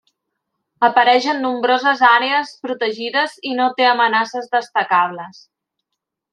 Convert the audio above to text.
Apareix en nombroses àrees protegides i no té amenaces destacables.